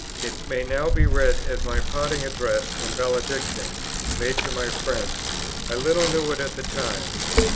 It may now be read as my parting address and valediction, made to my friends. I little knew it at the time.